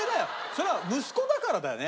それは息子だからだよね。